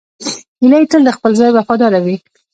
هیلۍ تل د خپل ځای وفاداره وي